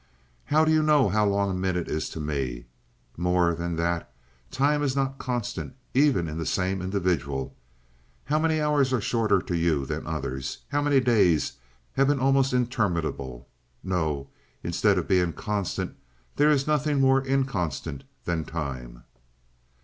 How do you know how long a minute is to me? More than that, time is not constant even in the same individual. How many hours are shorter to you than others? How many days have been almost interminable? No, instead of being constant, there is nothing more inconstant than time."